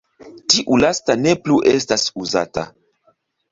Tiu lasta ne plu estas uzata.